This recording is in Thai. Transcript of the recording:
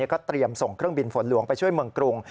ก็เตรียมส่งเครื่องบินฝนหลวงไปช่วยเมืองกรุง